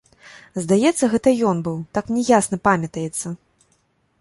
Здаецца, гэта ён быў, так мне ясна памятаецца.